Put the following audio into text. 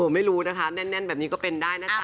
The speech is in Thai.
ไม่รู้นะคะแน่นแบบนี้ก็เป็นได้นะจ๊